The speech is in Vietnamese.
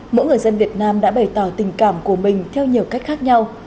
mỗi người dân việt nam đã bày tỏ tình cảm của mình theo nhiều cách khác nhau